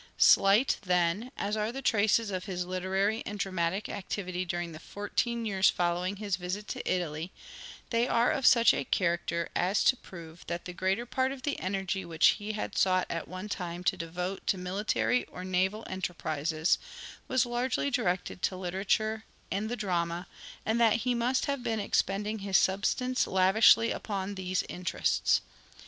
Slight, then, as are the traces of his literary and The "Oxford dramatic activity during the fourteen years following B°ys " his visit to Italy, they are of such a character as to prove that the greater part of the energy which he had sought at one time to devote to military or naval enterprises was largely directed to literature and the drama, and that he must have been expending his substance lavishly upon these intetests.